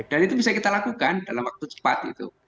dan itu bisa kita lakukan dalam waktu cepat